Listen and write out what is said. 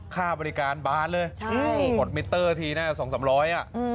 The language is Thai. ค่าบริการบานเลยกดมิเตอร์ทีแน่สองสามร้อยอ่ะ